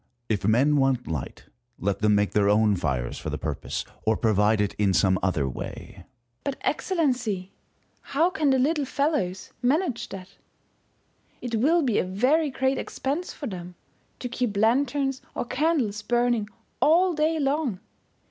If men want light, let them make their own fires for the purpose, or provide it in some other way. First Hour. But, Excellency, how can the little fellows manage that ? It will be a very great expense for them to keep lanterns or candles burning all day long.